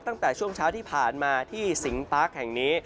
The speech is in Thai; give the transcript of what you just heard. ตั้งแต่ช่วงเช้าที่ผ่านมาที่สิงปาร์คแห่งนี้